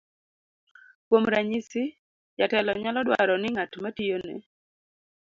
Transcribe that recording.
kuom ranyisi, jatelo nyalo dwaro ni ng'at ma tiyone